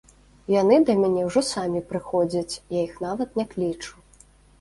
Яны да мяне ўжо самі прыходзяць, я іх нават не клічу.